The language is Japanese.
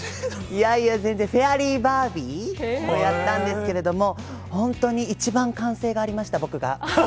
いやいや、全然、フェアリーバービーをやったんですけれども、本当に一番歓声がありました、僕が。